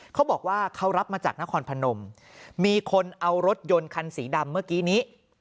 เขาบอกว่าเขารับมาจากนครพนมมีคนเอารถยนต์คันสีดำเมื่อกี้นี้